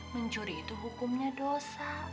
mencuri itu hukumnya dosa